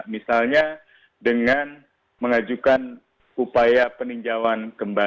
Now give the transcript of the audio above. misalnya dengan mengajukan upaya peninjauan kembali